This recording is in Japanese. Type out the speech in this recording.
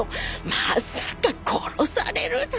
まさか殺されるなんて。